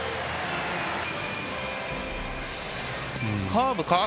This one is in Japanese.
カーブか？